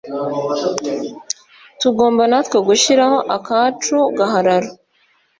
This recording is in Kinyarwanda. tugomba natwe gushyiraho akacu gahararo